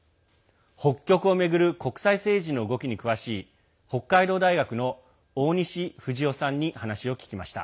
北極を巡る国際政治の動きに詳しい北海道大学の大西富士夫さんに話を聞きました。